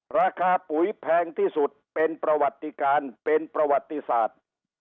ราคาปุ๋ยแพงที่สุดเป็นประวัติการเป็นประวัติศาสตร์